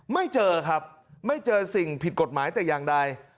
ไม่เจอครับไม่เจอสิ่งผิดกฎหมายแต่อย่างใด